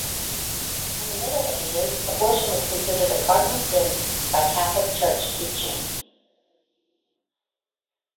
In the Middle Ages, abortion was considered a cardinal sin by Catholic Church teaching.